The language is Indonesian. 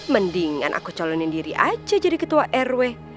mendingan aku calonin diri aja jadi ketua rw